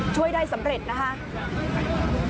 ช่วยได้สำเร็จนะคะ